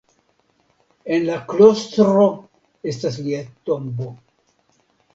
En la klostro estas lia tombo.